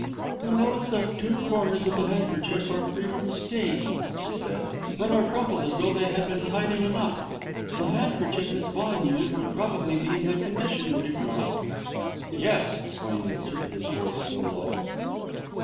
"You notice that two corners of the handkerchief are free from stain," he said, "and are crumpled as though they had been tied in a knot. The handkerchief Miss Vaughan used would probably be in that condition, would it not?" "Yes," Swain answered, his voice still low.